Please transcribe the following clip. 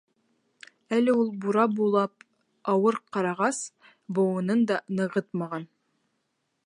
Әле ул бура булып ауыр ҡарағас быуынын да нығытмаған.